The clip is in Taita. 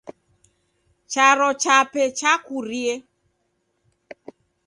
Charo chape chakurie.